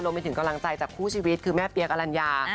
ไปถึงกำลังใจจากคู่ชีวิตคือแม่เปี๊ยกอลัญญา